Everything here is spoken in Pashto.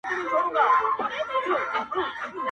په صحبت نه مړېدی د عالمانو!!